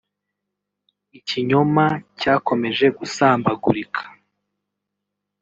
Ikinyoma cyakomeje gusambagurika